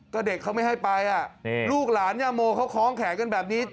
ก็เด็กเขาไม่ให้ไปอ่ะลูกหลานย่าโมเขาคล้องแขนกันแบบนี้